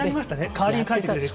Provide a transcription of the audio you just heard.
代わりに書いてくれると。